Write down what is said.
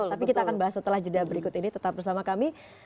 tapi kita akan bahas setelah jeda berikut ini tetap bersama kami